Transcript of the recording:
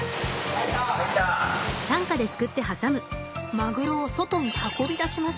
マグロを外に運び出します。